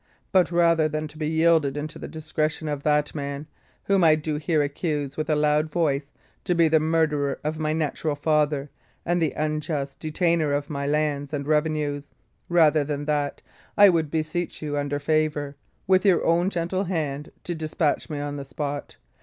But rather than to be yielded into the discretion of that man whom I do here accuse with a loud voice to be the murderer of my natural father and the unjust retainer of my lands and revenues rather than that, I would beseech you, under favour, with your own gentle hand, to despatch me on the spot.